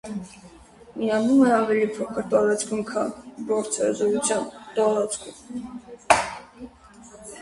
Միանում է ավելի փոքր տարածքում, քան «բարձր հզորության» տարածքում։